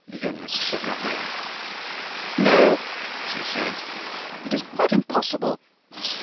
Eunice shook her head. "No," she said, "it is quite impossible.